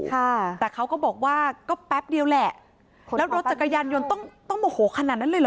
ค่ะแต่เขาก็บอกว่าก็แป๊บเดียวแหละแล้วรถจักรยานยนต์ต้องต้องโมโหขนาดนั้นเลยเห